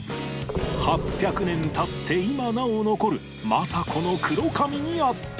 ８００年経って今なお残る政子の黒髪にあった